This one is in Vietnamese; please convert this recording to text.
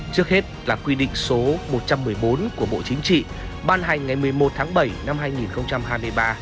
trước hết là quy định số một trăm một mươi bốn của bộ chính trị ban hành ngày một mươi một tháng bảy năm hai nghìn hai mươi ba